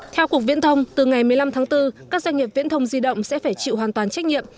theo cục viễn thông từ ngày một mươi năm tháng bốn các doanh nghiệp viễn thông di động sẽ phải chịu hoàn toàn trách nhiệm